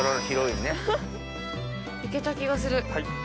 行けた気がする。